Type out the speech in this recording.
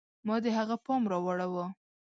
ما د هغه پام را واړوه.